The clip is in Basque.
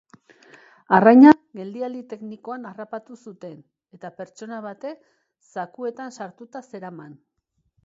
Arraina geldialdi teknikoan harrapatu zuten, eta pertsona batek zakuetan sartuta zeraman.